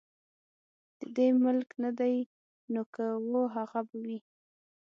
د دې ملک نه دي نو که وه هغه به وي.